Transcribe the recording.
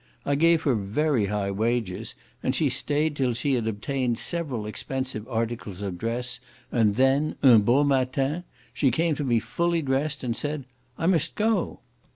I gave her very high wages, and she staid till she had obtained several expensive articles of dress, and then, UN BEAU MATIN, she came to me full dressed, and said, "I must go."